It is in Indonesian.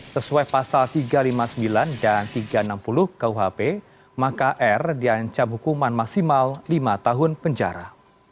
sesuai pasal tiga ratus lima puluh sembilan dan tiga ratus enam puluh kuhp maka r diancam hukuman maksimal lima tahun penjara